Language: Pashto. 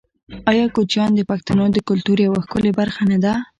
آیا کوچیان د پښتنو د کلتور یوه ښکلې برخه نه ده؟